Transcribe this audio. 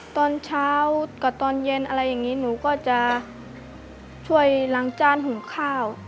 ตอนเช้ากับตอนเย็นอะไรอย่างนี้หนูก็จะช่วยล้างจานหุงข้าว